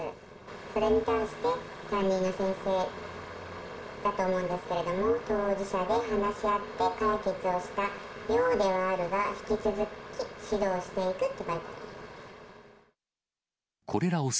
それに対して、担任の先生だと思うんですけれども、当事者で話し合って解決をしたようではあるが、引き続き指導していくって書いてあります。